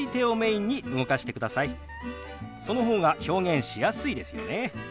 その方が表現しやすいですよね。